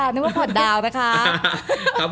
นึกว่าผ่อนดาวนะคะ